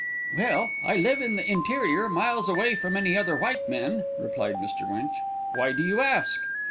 "Well, I live in the interior, miles away from any other white men," replied Mr. Winch. "Why do you ask?"